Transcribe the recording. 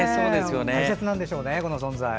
大切なんでしょうね、この存在。